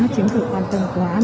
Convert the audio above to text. chính phủ quan tâm quá